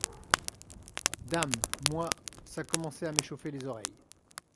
Dame ! moi, ça commençait à m’échauffer les oreilles…